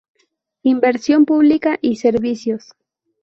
Inversión Pública y Servicios.